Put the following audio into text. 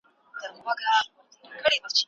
ټولنیز علوم باید بشري اړیکو ته ډېره پاملرنه وکړي.